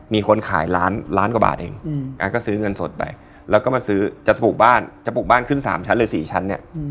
มีคนขายล้านกว่าบาทเองก็ซื้อเงินสดไปแล้วก็มาซื้อจะปลูกบ้านขึ้น๓ชั้นหรือ๔ชั้น